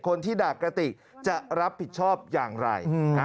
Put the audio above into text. คนที่ด่ากระติกจะรับผิดชอบอย่างไร